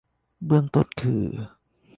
เบื้องต้นคือ